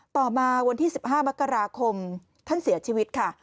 ต่อมาวันที่๑๕มกราคมท่านเสียชีวิตค่ะ